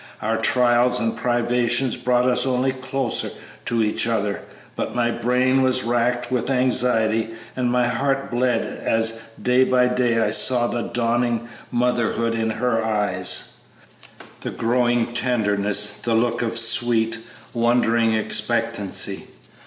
Our trials and privations brought us only closer to each other, but my brain was racked with anxiety and my heart bled as day by day I saw the dawning motherhood in her eyes, the growing tenderness, the look of sweet, wondering expectancy.